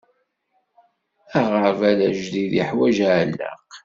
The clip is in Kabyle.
Aɣerbal ajdid iḥwaǧ aɛelleq.